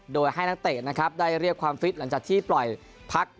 โดยให้นักเตะนะครับได้เรียกความฟิตหลังจากที่ปล่อยพัก